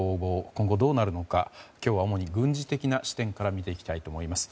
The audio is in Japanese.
今後どうなるのか今日は主に軍事的な視点から見ていきたいと思います。